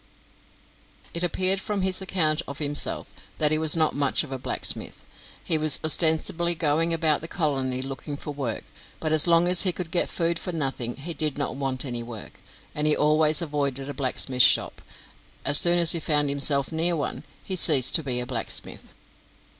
It appeared from his account of himself that he was not much of a blacksmith. He was ostensibly going about the colony looking for work, but as long as he could get food for nothing he did not want any work, and he always avoided a blacksmith's shop; as soon as he found himself near one he ceased to be a blacksmith.